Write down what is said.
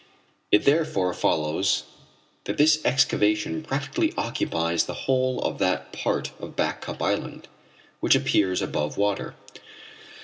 It therefore follows that this excavation practically occupies the whole of that part of Back Cup island which appears above water.